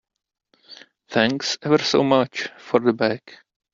Thanks ever so much for the bag.